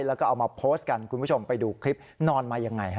แล้วก็เอามาโพสต์กันคุณผู้ชมไปดูคลิปนอนมายังไงฮะ